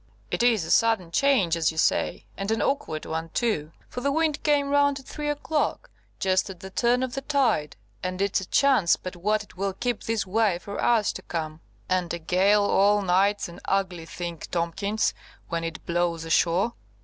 "It is a sudden change, as you say, and an awkward one too, for the wind came round at three o'clock, just at the turn of the tide; and it's a chance but what it will keep this way for hours to come; and a gale all night's an ugly thing, Tomkins, when it blows ashore."